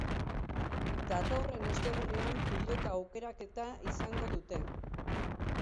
Datorren ostegunean pilota aukeraketa izango dute.